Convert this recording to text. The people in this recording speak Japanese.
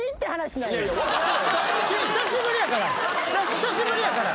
久しぶりやから。